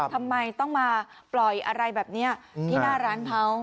ทำไมต้องมาปล่อยอะไรแบบนี้ที่หน้าร้านเขา